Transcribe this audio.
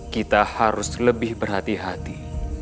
kita harus lebih berhati hati